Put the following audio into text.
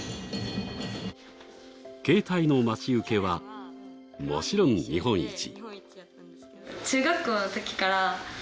携帯の待ち受けはもちろん日本一。